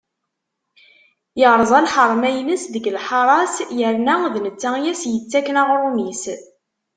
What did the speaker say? Yeṛẓa lḥerma-ines deg lḥara-s yerna d netta i as-yettakken aɣṛum-is.